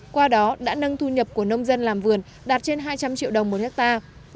qua đó đã nâng thu nhập của nông dân làm vườn đạt trên hai trăm linh triệu đồng một hectare